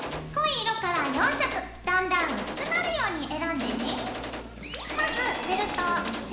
濃い色から４色だんだん薄くなるように選んでね。